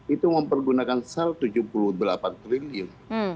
itu mempergunakan sel rp tujuh puluh delapan triliun